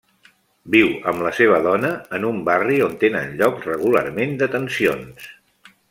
Viu amb la seva dona en un barri on tenen lloc regularment detencions.